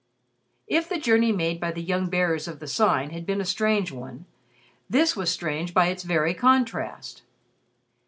If the journey made by the young Bearers of the Sign had been a strange one, this was strange by its very contrast.